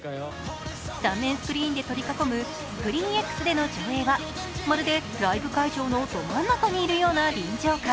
３面スクリーンで取り囲むスクリーンエックスでの上映はまるでライブ会場のど真ん中にいるような臨場感。